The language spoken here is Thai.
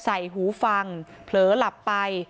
หูฟังเผลอหลับไป